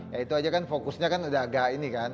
ya itu aja kan fokusnya kan daga ini kan